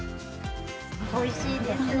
おいしいです。